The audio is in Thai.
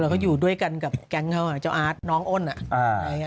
แล้วก็อยู่ด้วยกันกับแก๊งเขาเจ้าอาร์ตน้องอ้นอ่ะ